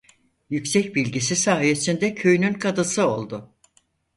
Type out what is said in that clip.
Yüksek bilgisi sayesinde köyünün kadısı oldu.